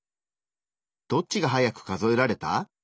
どっちが早く数えられた？